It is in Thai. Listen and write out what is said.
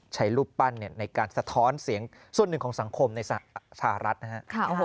ใช้รูปปั้นในการสะท้อนเสียงส่วนหนึ่งของสังคมในสหรัฐนะครับ